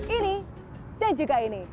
ini dan juga ini